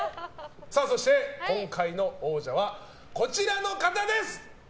そして、今回の王者はこちらの方です。